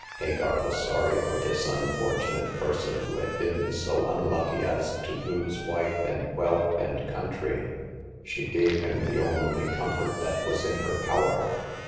Hagar was sorry for this unfortunate person, who had been so unlucky as to lose wife, and wealth, and country. She gave him the only comfort that was in her power.